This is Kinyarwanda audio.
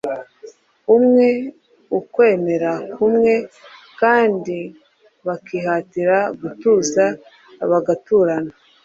umwe, ukwemera kumwe kandi bakihatira gutuza bagaturana